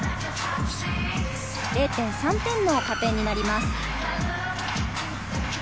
０．３点の加点になります。